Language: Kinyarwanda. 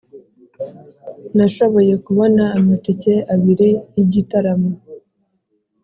nashoboye kubona amatike abiri yigitaramo.